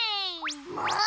もう。